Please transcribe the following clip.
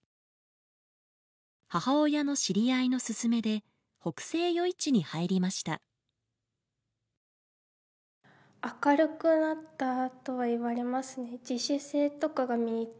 母親の知り合いの勧めで北星余市に入りました。と思います。